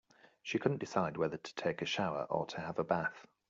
She couldn't decide whether to take a shower or to have a bath.